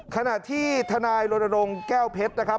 ขณะที่ทนายรณรงค์แก้วเพชรนะครับ